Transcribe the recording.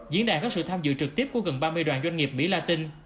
diễn đàn có sự tham dự trực tiếp của gần ba mươi đoàn doanh nghiệp mỹ la tinh